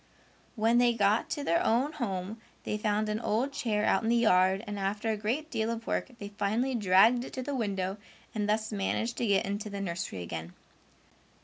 When they got to their own home they found an old chair out in the yard and after a great deal of work they finally dragged it to the window and thus managed to get into the nursery again.